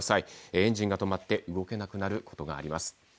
エンジンが止まって動けなくなるおそれがあります。